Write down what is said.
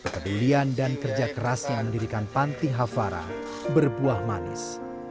kedulian dan kerja keras yang mendirikan panti hafarah berbuah manis